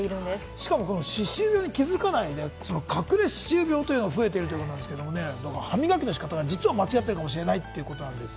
しかも歯周病に気づかない、隠れ歯周病というのが増えているということなんですけれども、歯磨きの仕方が実は間違ってるかもしれないということなんです。